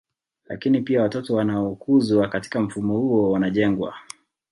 Lakini pia watoto wanaokuzwa katika mfumo huo wanajengwa